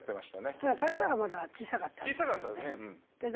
ただ体がまだ小さかったんです。